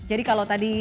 jadi kalau tadi